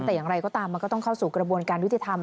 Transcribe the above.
แต่อย่างไรก็ตามมันก็ต้องเข้าสู่กระบวนการยุติธรรม